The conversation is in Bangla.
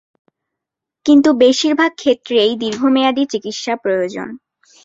কিন্তু বেশির ভাগ ক্ষেত্রেই দীর্ঘমেয়াদি চিকিৎসা প্রয়োজন।